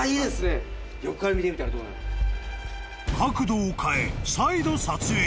［角度を変え再度撮影］